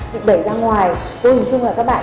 bị bể ra ngoài vì hình chung là các bạn